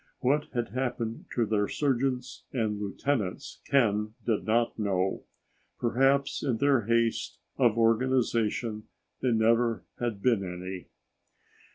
What had happened to their sergeants and lieutenants, Ken did not know. Perhaps in their haste of organization there never had been any.